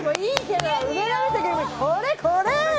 これこれ！